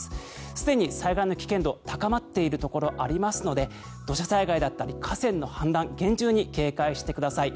すでに災害の危険度高まっているところありますので土砂災害だったり河川の氾濫厳重に警戒してください。